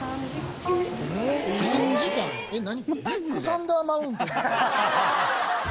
えっ何？